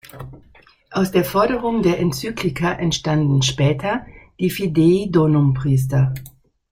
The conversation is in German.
Aus der Forderung der Enzyklika entstanden später die Fidei-Donum-Priester.